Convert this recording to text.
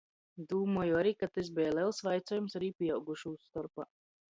Dūmoju ari, ka tys beja lels vaicuojums ari pīaugušūs storpā.